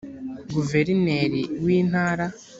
guverineri w’intara